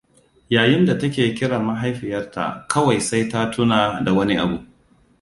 Yayin da take kiran mahaifiyarta, kawai sai ta tuna da wani abu.